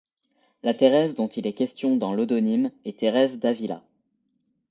La Thérèse dont il est question dans l'odonyme est Thérèse d'Avila.